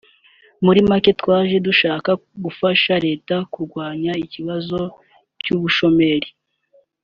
muri make twaje dushaka gufasha Leta kurwanya ikibazo cy’ubushomeri